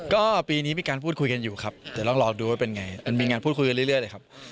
ก็ปีนี้มีการพูดคุยกันอยู่ครับเดี๋ยวต้องรอดูว่าเป็นไงมันมีงานพูดคุยกันเรื่อยเลยครับ